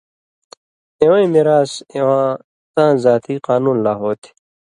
اِوَیں مِراث اِواں تاں ذاتی قانُون لا ہو تھی۔